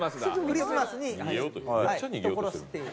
クリスマスに人殺すっていう。